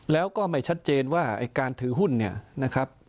แล้วก็ไม่ชัดเจนว่าไอ้การถือหุ้นเนี่ยนะครับ